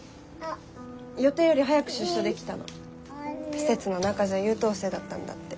施設の中じゃ優等生だったんだって。